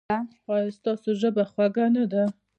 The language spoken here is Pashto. ایا ستاسو ژبه خوږه نه ده؟